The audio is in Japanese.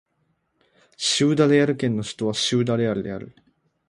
シウダ・レアル県の県都はシウダ・レアルである